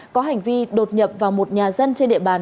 có hành vi đột nhập vào một nhà dân trên địa bàn